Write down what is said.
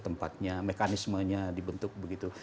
tempatnya mekanismenya dibentuk begitu